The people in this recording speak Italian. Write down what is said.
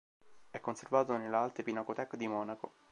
È conservato nella Alte Pinakothek di Monaco.